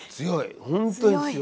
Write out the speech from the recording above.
本当に強い。